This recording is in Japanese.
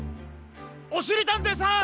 おしりたんていさん！